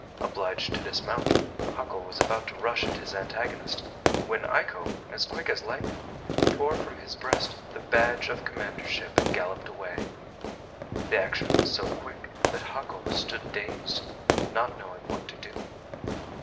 Obliged to dismount, Hako was about to rush at his antagonist, when Eiko, as quick as lightning, tore from his breast the badge of commandership and galloped away. The action was so quick that Hako stood dazed, not knowing what to do.